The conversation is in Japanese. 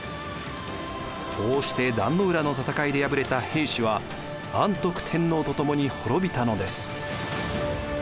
こうして壇の浦の戦いで敗れた平氏は安徳天皇とともにほろびたのです。